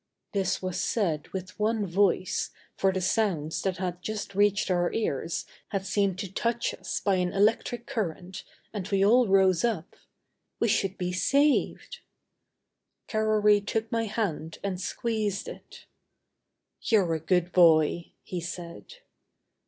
This was said with one voice, for the sounds that had just reached our ears had seemed to touch us by an electric current and we all rose up. We should be saved! Carrory took my hand and squeezed it. "You're a good boy," he said.